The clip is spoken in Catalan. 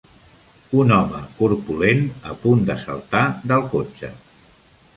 Un home corpulent a punt de saltar del cotxe.